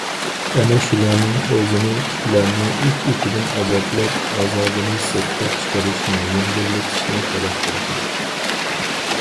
ئەنە شۇلارنىڭ ئۆزىنى كىتلارنى ئىچ- ئىچىدىن ئازابلاپ ئازابىنى سىرتقا چىقىرىشنى، يەڭگىللىتىشنى تەلەپ قىلىشىدۇ.